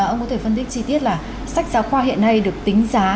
ông có thể phân tích chi tiết là sách giáo khoa hiện nay được tính giá